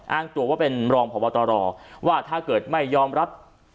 อ้างตัวว่าเป็นรองพบตรว่าถ้าเกิดไม่ยอมรับ